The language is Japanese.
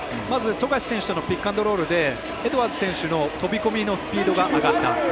まず、富樫選手とのピックアンドロールで飛び込みのスピードが上がった。